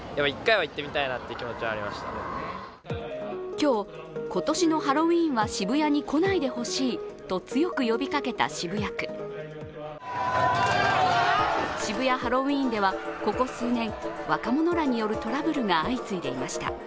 今日、今年のハロウィーンは渋谷に来ないでほしいと渋谷ハロウィーンではここ数年、若者らによるトラブルが相次いでいました。